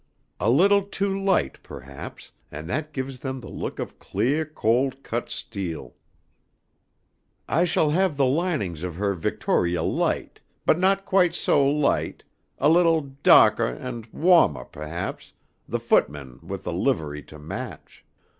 A little too light, perhaps, and that gives them the look of cleah cold cut steel. "I shall have the linings of her Victoria light, but not quite so light, a little dahkah and wahmah, perhaps, the footmen with a livery to match.